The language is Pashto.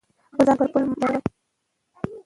خپل ځان پر بل مه باروئ.